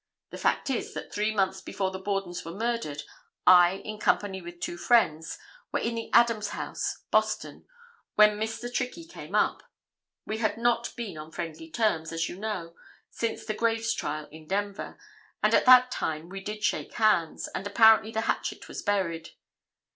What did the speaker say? The fact is that three months before the Bordens were murdered, I, in company with two friends, were in the Adams House, Boston, when Mr. Trickey came up. We had not been on friendly terms, as you know, since the Graves trial in Denver, and at that time we did shake hands, and apparently the hatchet was buried.